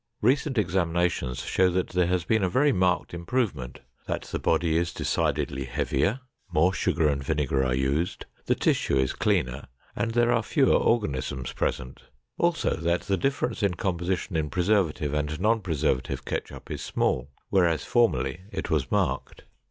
Recent examinations show that there has been a very marked improvement; that the body is decidedly heavier, more sugar and vinegar are used, the tissue is cleaner, and there are fewer organisms present, also that the difference in composition in preservative and non preservative ketchup is small, whereas, formerly it was marked.